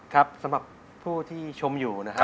ครับสำหรับผู้ที่ชมอยู่นะครับ